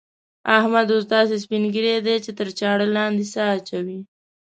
احمد اوس داسې سپين ږيری دی چې تر چاړه لاندې سا اچوي.